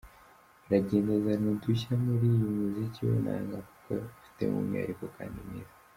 Aragenda azana udushya muri uyu muziki w’inanga, kuko afitemo umwihariko kandi mwiza.